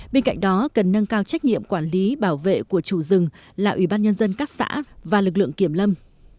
bên cạnh đó cần nâng cao trách nhiệm quản lý bảo vệ của chủ rừng là ủy ban nhân dân các xã và lực lượng kiểm lâm